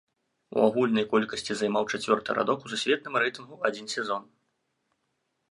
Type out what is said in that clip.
У агульнай колькасці займаў чацвёрты радок у сусветным рэйтынгу адзін сезон.